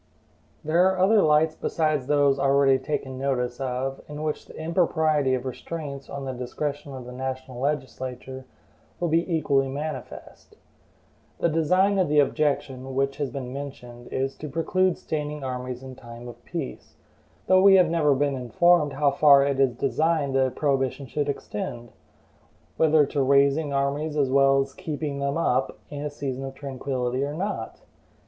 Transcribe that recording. There are other lights besides those already taken notice of, in which the impropriety of restraints on the discretion of the national legislature will be equally manifest. The design of the objection, which has been mentioned, is to preclude standing armies in time of peace, though we have never been informed how far it is designed the prohibition should extend; whether to raising armies as well as to KEEPING THEM UP in a season of tranquillity or not.